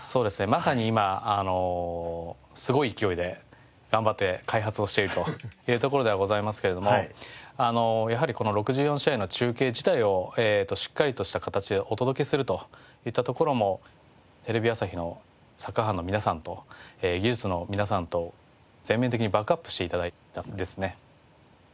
まさに今すごい勢いで頑張って開発をしているというところではございますけれどもやはりこの６４試合の中継自体をしっかりとした形でお届けするといったところもテレビ朝日のサッカー班の皆さんと技術の皆さんと全面的にバックアップして頂いたんですね。